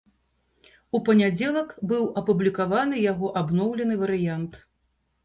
У панядзелак быў апублікаваны яго абноўлены варыянт.